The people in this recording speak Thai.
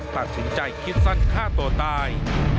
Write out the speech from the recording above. ตัดสินใจคิดสั้นฆ่าตัวตาย